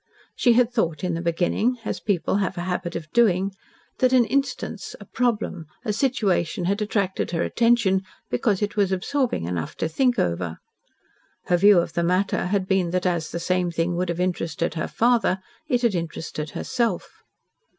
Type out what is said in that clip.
She had thought in the beginning as people have a habit of doing that an instance a problem a situation had attracted her attention because it was absorbing enough to think over. Her view of the matter had been that as the same thing would have interested her father, it had interested herself.